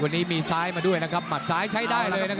วันนี้มีซ้ายมาด้วยนะครับหมัดซ้ายใช้ได้เลยนะครับ